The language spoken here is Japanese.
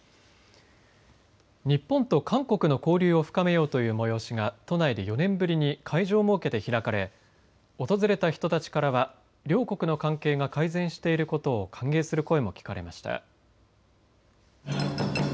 日本と韓国の交流を深めようという催しが都内で４年ぶりに会場を設けて開かれ、訪れた人たちからは両国の関係が改善していることを歓迎する声も聞かれました。